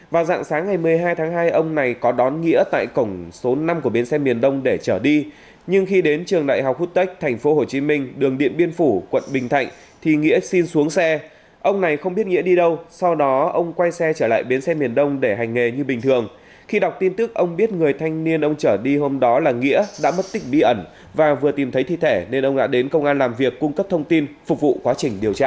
hôm một mươi hai tháng hai ông này có đón nghĩa tại cổng số năm của bến xe miền đông để chở đi nhưng khi đến trường đại học hút tích thành phố hồ chí minh đường điện biên phủ quận bình thạnh thì nghĩa xin xuống xe ông này không biết nghĩa đi đâu sau đó ông quay xe trở lại bến xe miền đông để hành nghề như bình thường khi đọc tin tức ông biết người thanh niên ông chở đi hôm đó là nghĩa đã mất tích bí ẩn và vừa tìm thấy thi thể nên ông đã đến công an làm việc cung cấp thông tin phục vụ quá trình điều tra